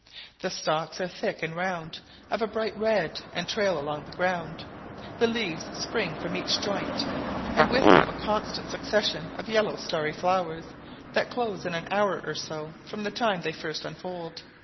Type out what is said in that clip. The stalks are thick and round, of a bright red, and trail along the ground; the leaves spring from each joint, and with them a constant succession of yellow starry flowers, that close in an hour or so from the time they first unfold.